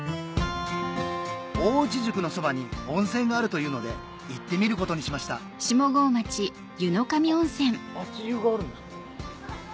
大内宿のそばに温泉があるというので行ってみることにしましたあっ足湯があるんですか？